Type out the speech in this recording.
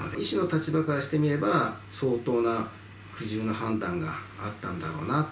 医師の立場からしてみれば、相当な苦渋の判断があったんだろうなと。